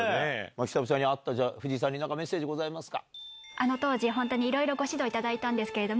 久々に会った藤井さんにメッセージございますか？